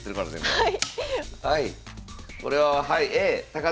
はい。